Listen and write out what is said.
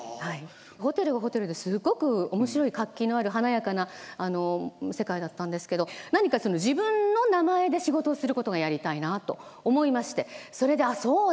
ホテルはホテルですごく面白い活気のある華やかな世界だったんですけど何か自分の名前で仕事をすることがやりたいなあと思いましてそれで「ああそうだ。